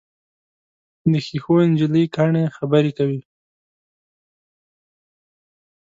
د ښیښو نجلۍ کاڼي خبرې کوي.